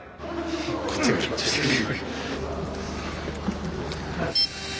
こっちが緊張してくる。